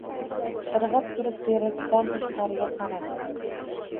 Irg‘ib turib, derazadan tashqariga qaradi.